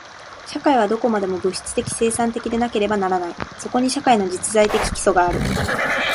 社会はどこまでも物質的生産的でなければならない。そこに社会の実在的基礎がある。